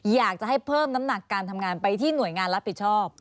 อยากจะให้เพิ่มน้ำหนักการทำงานไปที่หน่วยงานรับผิดชอบ